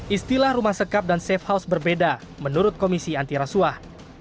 istilah rumah sekap dan safe house berbeda menurut komisi antirasuah